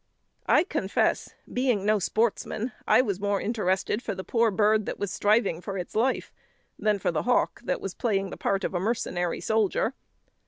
I confess, being no sportsman, I was more interested for the poor bird that was striving for its life, than for the hawk that was playing the part of a mercenary soldier.